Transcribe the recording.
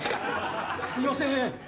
すいません。